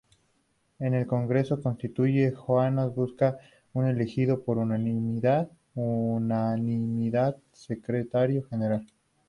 En el congreso constituyente, Xoán Bascuas fue elegido por unanimidad secretario general.